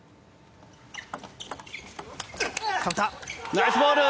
ナイスボール！